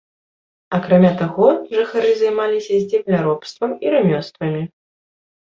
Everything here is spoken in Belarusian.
Акрамя таго, жыхары займаліся земляробствам і рамёствамі.